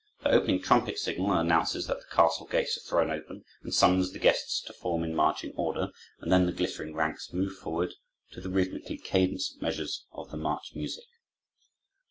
The opening trumpet signal announces that the castle gates are thrown open, and summons the guests to form in marching order, and then the glittering ranks move forward to the rhythmically cadenced measures of the march music.